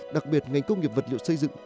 đặc biệt ngành công nghiệp vật liệu xây dựng